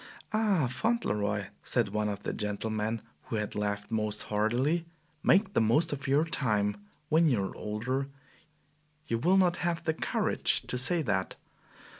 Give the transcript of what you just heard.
"Ah, Fauntleroy," said one of the gentlemen who had laughed most heartily, "make the most of your time! When you are older you will not have the courage to say that."